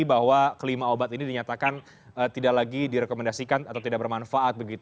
bahwa kelima obat ini dinyatakan tidak lagi direkomendasikan atau tidak bermanfaat